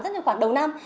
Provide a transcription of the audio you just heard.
rất nhiều khoản đầu năm